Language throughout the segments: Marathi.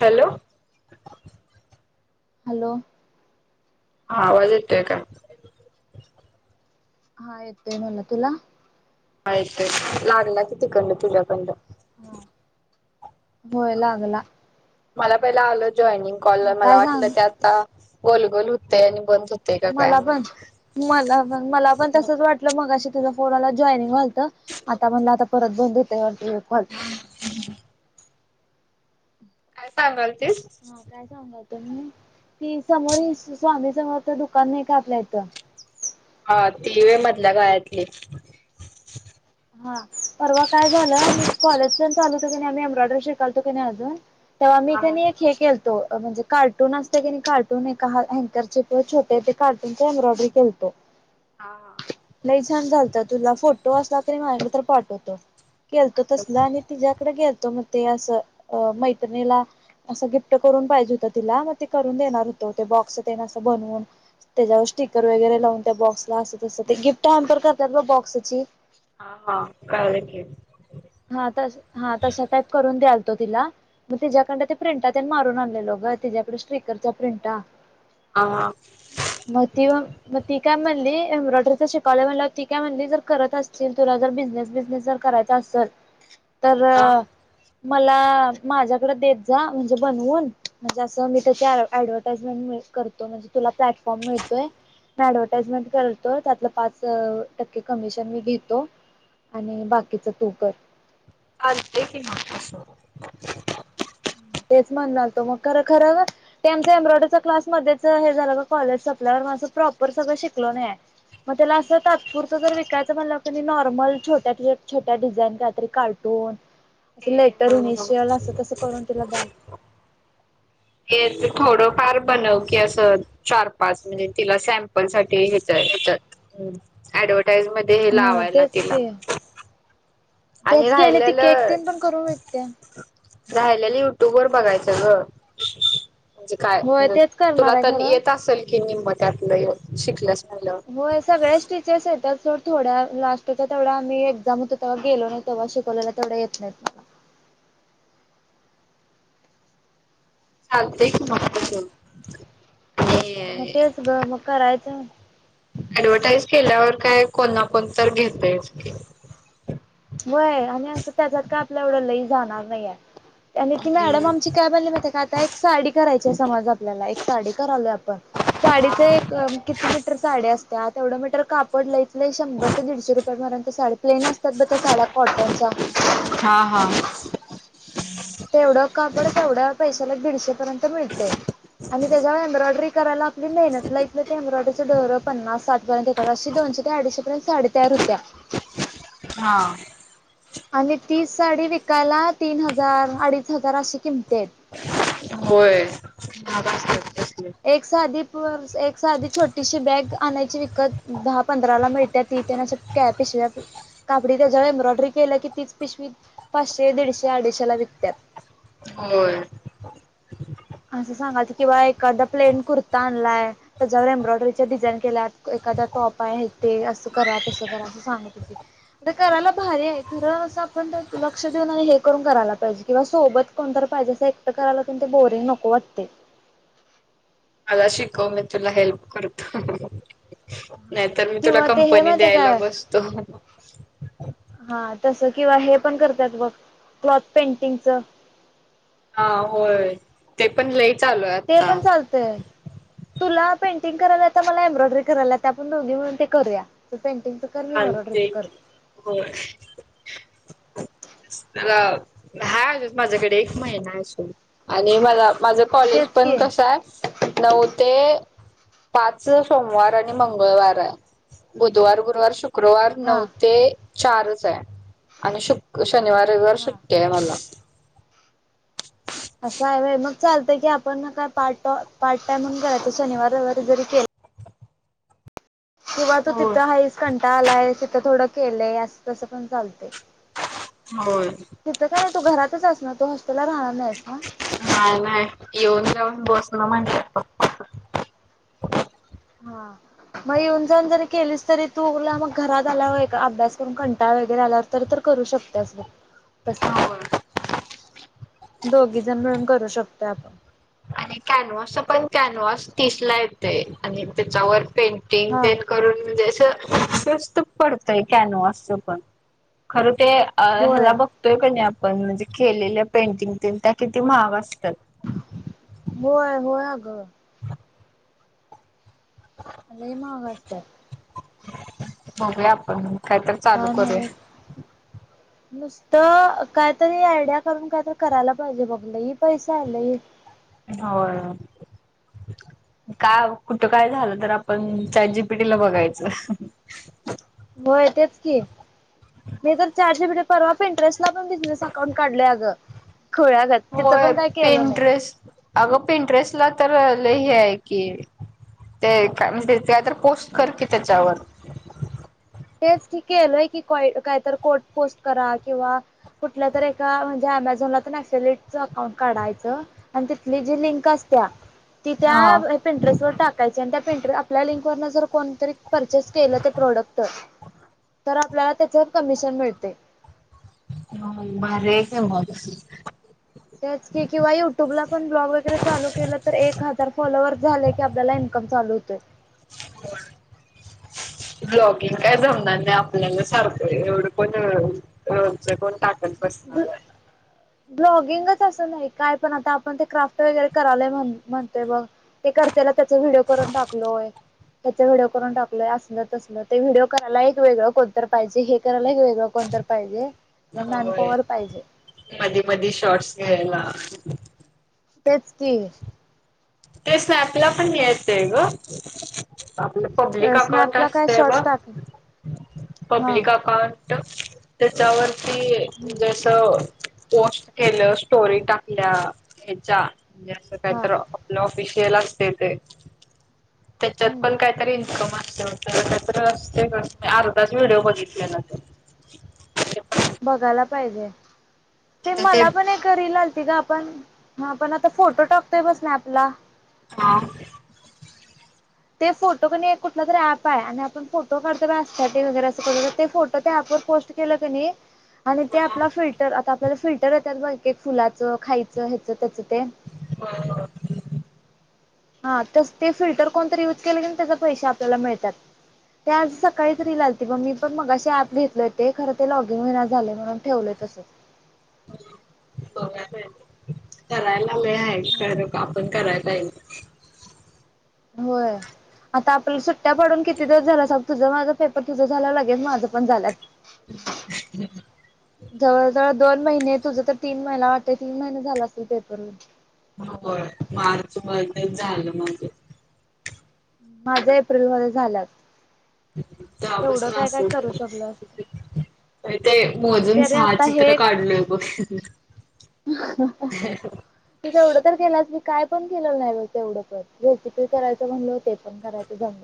हॅलो हॅलो हा आवाज येतोय का? हा येतोय मला तुला? ऐक तर लागला कि तिकडन तुझ्याकडन हा होय लागला मला पहिला आलं जॉइनिंग हा कॉलला मला काय वाटलं सांग ते आता गोलगोल होतय आणि बंद होतय का काय मला पण म्हणलं मला पण मला पण तसच वाटलं मगाशी तुझा कोणाला जॉनिंग आलतं आता म्हणल आता परत बंद होतय वाटत [unintelligible] काय सांगाल तीस हा काय सांगालतो मी कि समोरील स्व स्वामी समर्थ दुकान नाही का आपल्या इथ हा ती होय मधल्या गळ्यातली हा परवा काय झालं मी कॉलेजपर्यंत आलो आम्ही एम्ब्रॉयडरी शिकालतो की नाही अजून तेव्हा मी हा कणी एक हे केलतो म्हणजे कार्टून असते कणी नाही कार्टून एका हा हँकरचे किंवा छोटे ते कार्टून ते एम्ब्रॉयडरी केलतो हा लय छान झालात तुला फोटो असला असलं तर पाठवतो केलतो तसल हा आणि तिच्याकडे गेलतो मग ते असं अ मैत्रिणीला असं गिफ्ट करून पाहिजे होत तिला मग ते करून देणार होत तर बॉक्स तेन अस बनवून तेज्यावर स्टिकर वगैरे लावून त्या बॉक्सला अस तस ते गिफ्ट हॅमपर करतात बग बॉक्सची हा हा कळलं की हा तस हा तस टाईप करून द्याल तो तो तिला मग तिज्याकडं ते प्रिंटा तर ते मारून आणलेल ग तिच्यायाकडे स्टिक्सरच्या प्रिंटा हा हा म ती म ती काय म्हणाली एम्ब्रॉयडरीच शिकावला म्हटलं ती काय म्हणली जर करत असतील तुला जर बिझनेस बिझनेस जर करायचा असल तर हा मला माझ्याकडे देत जा म्हणजे बनवून म्हणजे असं मी त्याची ऍंड एडवर्टाइजमेंट मिळ करतो म्हणजे तुला प्लॅटफॉर्म मिळतोय ऍडव्हटाइजमेंट करतो त्यातलं पाच अ टक्के कमिशन मी घेतो आणि बाकीच तू कर चालतंय की मग तस म्हणालो खर मग खरं खरं ते आमचं एम्ब्रोईडरी क्लास मधेच हे झालं ग कॉलेज संपल्यावर माझं प्रॉब्ल प्रॉपर काय शिकलो नाय मग त्याला असं तात्पुरतं जर विकायचं म्हणाल तरी नॉर्मल छोट्यातली एक छोट्या डिझाईन काही तरी कार्टून होय असे लेटर ते इमिशेल असं तस [inaudible] थोडं फार बनव की असं चार पाच म्हणजे तिला सॅम्पल साठीेत येतय हम्म ऍडव्हटाईज मध्ये हे ह लावायला तेच तिला की आणि तेच की ती केक राहिलेलं तेन पण करून विकत्या. राहिलेल युट्यूब वर बघायचं ग म्हणजे काय होय तेच तुला करणार आहे तर खरं. येत असेल की निम्मं त्यातलं एव शिकल्यास म्हणल्यावर होय सगळ्याच स्टिचेचं येतात. तर थोड्या लास्टच्या तेवढा आम्ही एक्झाम होतो तवा गेलो नाही तवा शिकवलेला तेवढा येत नाहीत मला [inaudible] चालतंय की माग तस [unintelligible] म तेच ग म करायचं. ऍडव्हटाईज केल्यावर काय कोणा कोण तर घेत व्हय आणि असं त्याच्यात का आपलं एवढं लई जाणार नाय ये. आणि ती मॅडम आमची काय बनली माहितेय का आता एक साडी करायची हाय समज आपल्याला एक साडी करलोय आप साडीच एक अ किती मीटर साड्या असत्यात. तेवढं मीटर कापड लाईच लंय शंभर ते दीडशे रुप [unintelligible] प्लेन असतात ब त्या साड्या कॉटनच्या हा हा तेवढं कापड तेवढ्या पैशाला दीडशे पर्यंत मिळतेय. आणि त्याच्यावर एम्ब्रॉयडरी करायला आपली मेहनत ला इथलं ते एम्ब्रॉयडरीचं दोर पन्नास साठ पर्यंत येतात अशी दोन शे ते अडीचशे पर्यंत साडी तयार होतेया. हा आणि ती साडी विकायला तीन हजार अडीच हजार अशी किमती हाईत. होय महाग असत्यात त्या. एक साधी एक साधी छोटीशी बॅग आणायची विकत दहा पंधरा ला मिळते ती तेन अशी कॅप [unintelligible] कापडी त्याच्यावर एम्ब्रॉयडरी केल्या की तीच पिशवी पाचशे दीडशे अडीशे ला विकत्यात होय. असं सांगाती कि बा एखादा प्लेन कुर्ता आणलाय त्याच्यावर एम्ब्रॉयडरीच्या डिझाईन केल्यात एकदा टॉप आहे ते असं करा तसं करा असं सांगत होती. करायला भारी आहे खरं अस आपण लक्ष देऊन आणि हे करून करायला पाहिजे किंवा सोबत कोणतर पाहिजे एकट करायला ते न ते बोरिंग नको वाटतेय. मला शिकव मी तुला हेल्प करतो. हा नाहीतर मी तुला किंवा ते हे कंपनी माहिती द्यायला काय बसतो. हा तसं किंवा हे पण करतात बघ क्लॉथ पेंटिंगच हा होय ते पण लई चालू आहे ते आता पण चालतंय. तुला पेंटिंग करायला येत मला एम्ब्रॉयडरी करायला आपण दोघी म्हणून ते करूया. पेंटिंगचं कर [unintelligible] मी एम्ब्रॉयडरीचं करते हाय अजूक माझ्याकडे एक महिना असून आणि मला माझं कॉलेज तेच पण की कसं हाय नऊ ते पाच सोमवार आणि मंगळवार हाय बुधवार गुरुवार शु शुक्रवार हा. नऊ ते चारच ये. आणि शुक शनिवार रयवार हा सुट्टी आहे मला. असं हाय मग चालतं की आपण काय पार्ट पार्ट टाइम म्हून कराय शनिवार रविवारी जरी केला किंवा तू होय तिथं हाईस कंटा आलाय तिथं थोडं केलंय असं तसं पण चालतय. होय. तिथं का नाय त घरातच अस ना तु. हा नाय येऊन बसन म्हंटलं हा मग येऊन जाऊन जरी केलीस तरी तू मग घरात आला हो अभ्यास करून कंटाळय ग आवर तर करू शकते बघ तस होय. दोघी जण मिळून करू शकतोय आपण आणि कॅनवसचा पण कॅनवास तीस ला येते आणि त्याच्यावर पेंटिंग हा तेन करून म्हणजे अस स्वस्त पडतय कॅनवास पण खर ते होय ह्याला बघतोय का नाही आपण म्हणजे केलेल्या पेंटिंग त्या किती महाग असतात. होय होय अ ग लाय माहाग असत्या ते बघया आपण काय तर चालू काय करूया नव्हच नुसतं कायतरी आयडिया करून कायतरी करायला पाहिजे बघलं ह पैसे आलेय, होय का कुठं काय झालं तर आपण चाटजीपटी पिटीला बघायचं. होय तेच की मी तर चाटजीपीटी परवा पिट्रेस्ट ण बिझनेस अकाउंट काढल्या गं हो पेन ्रेस अगं पीइंटरेस्ट ला तर लय हे आहे की, ते काय म्हणजे काय तर पोस्ट कर की त्याच्यावर तेच केलय की कात कोट पोस्ट करा किंवा कुठल्या तर एका म्हणजे अमेझॉनलाक्टच अकाउंट काढायचं आणि तिथली जी लिंक अस त्या ती हा त्या पिंट्रेस वर टाकायची आणि त्या, पंट आपल्या लिंकवर जर कोणतरी परचेस केलं ते प्रोडक्ट, तर आपल्याला त्याच्यावर कमिशन मिळते, हो भारी आहे की मग तेच की किंवा युट्यूबला पण ब्लॉग वगैरे चालू केलं तर एक हजार फॉलोअर् झाले की आपल्याला, म चालू होतय. [unintelligible] ब्लॉगिंग काय जमणार नाही आपल्याला सारखं एवढं कोण र कोण टा बसणार आहे. ब्लॉगिंगच असं नाही काय पण आता आपण ते क्राफ्ट वगैरे करा म्हणतोय बघ ते करते. त्याचा व्हिडओ करून टाकलोय, त्या व्हिडिओ करून टाकय अस अस ते व्हिडिओ कराय एक वगळं कोतर पाहिजे [unintelligible] वेग कोण तरी पाहिजे. होय पॉवर पाहिजे मधी मधी शॉर्ट्स घ्यायला. तेच की, ते स्नॅपला पण यायचंय ग, आपलं पब्लिक अकाउंट स्नॅपला काय असतय ब शॉर्ट्स टाक हा पब्लिक अकाउंट. त्याच्यावरती हम्म जस पोस्ट केलं स्टोरी टाकल्या ह्याच्या म्हणजे असं हा कायत विषय लागते ते त्याच्यात हम्म पण काहीतरी इन्कम अस त अर्धाच व्हिडिओ बघितले ना ते, बघायला पाहिजे ते मला पण हे रील, त का आपण ह आपण आता फोटो टाकतोय बग स्नॅप आपला. हा ते फोटो कण कुठलं तर ऍप आहे आणि आपण फोटो काढोसाठी ॲस्थेटीक वगैरे अस ते फोटो, पोस्ट केल कानी, आणि ते आपला फिल्टर आता आपल्याला फिल्टर येतात बघ फुलाचं खायचं ह्याचं त्याचं. ते हा ते फिल्टर कोणत यूज केले क त्या पैसे आपल्याला मिळतात त्या, सकाळी तरी रील आतील बघ, पण मग अे ऍप घेतलय ते खर ते लॉगिन वि ना झाले म्हणून ठेवलय तस. [unintelligible] करायला आले होय आहे का आपण कराय पाहिल. होय आता आपला सुट्ट्या पडून किती दिवस झाला स तुझं माझा तुझ झाे माझ पण झा ज दोन महिने तुझं तर तीन महिना वाटते तीन महिने झाला असतीलल पपरून होय मार्च म झालं म्हजे माझ्या एप्रिलमध्येध्ये झाल्यात. तवा एवढं पासन काय काय असच करू शकलो तर तर ते असतो मोजून तरी सहा आता चित्र हे काढलोय बघ. तू तेवढं तर केलाच मी काय पण केलेलं नाही ब तेवढं पण रेसिपी हम्.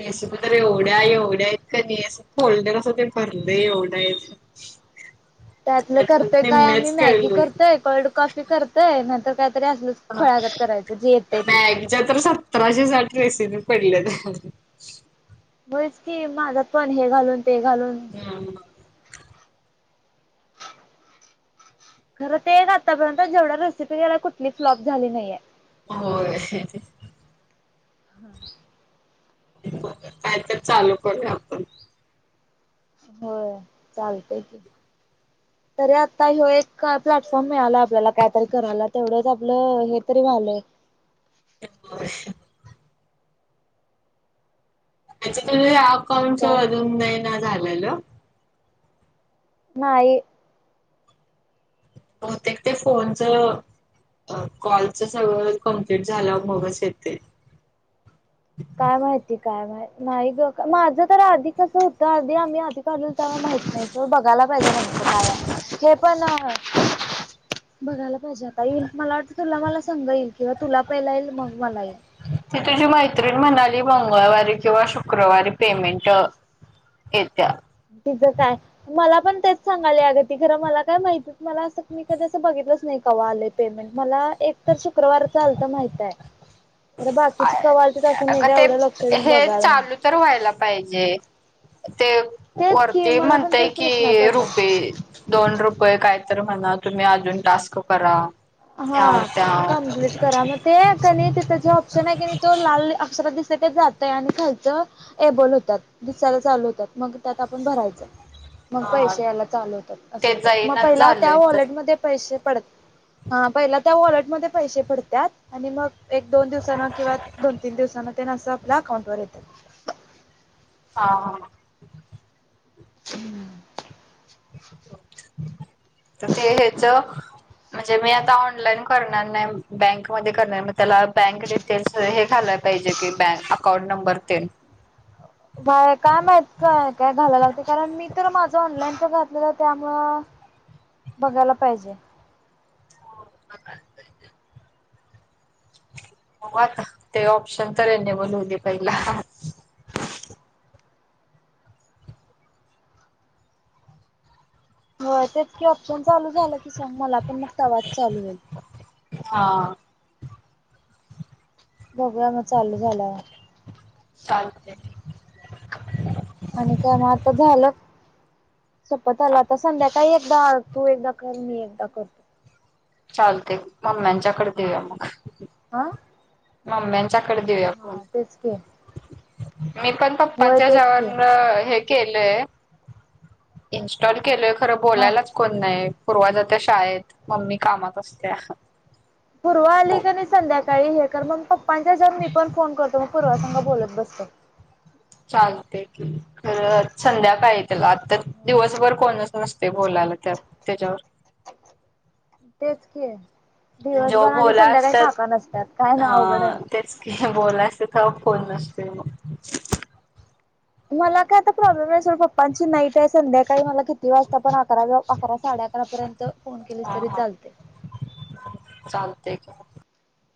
रेसिपी तर एवढ्या एवढ्या आहेत कणी अस फोल्डर अस ते भरलं एवढ्या हाय. त्यातलं करतोय काय आम्ही निम्म्याच मॅगी कळलोय. करतोय कोल्ड कॉफी करतोय नंतर काहीतरी असलच फळागत करायचं जे येतय ते मॅगीच्या तर सतराशे साठ रेसिनी पडलेत. ह. होयच की माझ्यात पण हे घालून ते घालून. खरं ते एक आतापर्यंत जेवढ्या रेसिपी केल्या. होय. हम. काय तर चालू करूया आपण. होय चालतय की तरी आता ह्यो एक प्लॅटफॉर्म मिळाला आपल्याला कायतरी करायला तेवढंच आपलं हे तरी व्हायलय. [inaudible] अशा अजकल आणि अकाउंटच काय अजून नाही ना झालेलं नाही. बहुतेक ते फोन चं. अ कॉलच सगळं कम्प्लीट झाल्यावर मगच येतंय [unintelligible] काय माहिती काय माहि नाही ग माझं तर आधी कसं होतं आधी आम्ही आधी कालून माहित नाही प बघायला पाहिजे नेमकं काय हे पण बघायला पाहिजे आता येईल मला वाटतं तुला मला संग येईल. किंवा तुला पहिला येईल मग मला येईल. ती तुझी मैत्रिण म्हणाली मंगळवारी किंवा शुक्रवारी पेमेंट येत्या. तिचं काय मला पण तेच सांगाले अग त खरं मला काय माहिती मला अस मी कध अस बघितलं. कवा आलंय पेमेंट मला एक तर शुक्रवार च आलत माहित आहे. अरे बाकीची कवा आलतीत अस मी अगं काय ते एवढं लक्ष देऊन हे बघायला नाही. चालू तर व्हायला पाहिजे ते तेच की वरती मला पण म्हणताय तेच कि प्रश्न पडलाय रुपये दोन रुपये काय? तर म्हणा तुम्ही अजून टास्क करा. हा ह्याव त्याव कमप्लीट करा मग ते तिथे कणी लाल ऑप्शन आहे कणी तो लाल अर दिस जातय आणि खायच एबल होतात दिसायला चालू होतात मग त्यात आपण भरायचं. मग हा पैसे याला चालू होतात असं ते होतात मग जाईनाच पहिला त्या झालंय तर वॉलेटमध्येध्ये पैसे पडत. हा पहिला त्या वॉलेटमध्ये पैसे पडतात आणि मग एक दोन दिवसान किंवा दोन तीन दिवसान आपल्या अकाउंट वर येतात. हा हा हा. हम्म. [unintelligible] तर ते हेच. म्हणजे मी आता ऑनलाईन करणार नाही बँकमध्ये करणार म त्याला बँक डिटेल्स हे घालायचं पाहिजे की बॅ अकाउंट नंबर तेन ह बाय काय माहित काय काय घालायला लागते कारण मी तर माझं ऑनलाईनच घातलेलं त्यामुळं बघायला पाहिजे का हो आता ते ऑप्शन तरेने बोलवले पहिला हो तेचकी ऑप्शन चालू झालं की सांग मला पण मग तवाच चालू होईल हा बघ्या मग चालू झालं चालते आणि काय मग आता झालं सपत आला आता संध्याकाळी एकदा अ तू एकदा कर म एकदा करतो चालते मम्म्यांच्याकडे देऊया मग आह मम्म्यांच्याकडे देऊया ख मी पण होय तेच की पप्पांच्याच्यावरून हे केलंय इनस्टॉल केलय खरं हा. बोलायलाच कोण नाही पूर्वाजात शाळेत मम्मी कामात असत्या पूर्व आली का नाही संध्याकाळी हे कर मग पप्प मी पण फोन करतो मग पूर्वा सांगा बोलत बसतो ग खर संध्याकाळी त्याला आता दिवसभर कोणच नसत ते बोलायला त्या त्याच्यावर तेच कि जेव्हा दिवसभर आणि बोला संध्याकाळी खाका असतात नसतात काय ना अवघड बोलायचंथ फोन नसते मग मला काय आता प्रॉब्लेम आहे सोड पप्पांची नाईट आहे संध्याकाळी मला किती कती वाजता पण अकरा अकरा साडे अकरा पर्यंत फोन केलेस हा तरी हा चालते तेक आहे